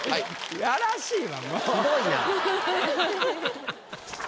やらしいわもう。